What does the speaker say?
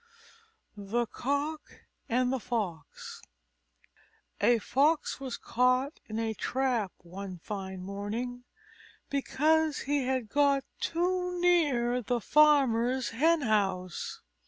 _ THE COCK AND THE FOX A Fox was caught in a trap one fine morning, because he had got too near the Farmer's hen house.